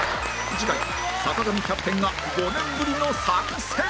次回坂上キャプテンが５年ぶりの参戦！